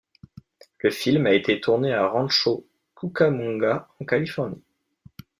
Le film a été tourné à Rancho Cucamonga en Californie.